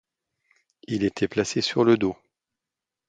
Il était placé sur le dos.